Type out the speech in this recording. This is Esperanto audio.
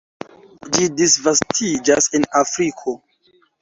Ĝi disvastiĝas en Afriko.